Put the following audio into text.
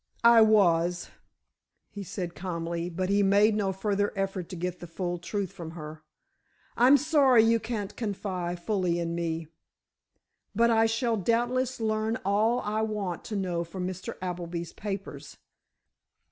"I was," he said calmly, but he made no further effort to get the whole truth from her. "I'm sorry you can't confide fully in me, but I shall doubtless learn all I want to know from Mr. Appleby's papers."